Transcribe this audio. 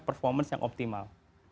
performance yang optimal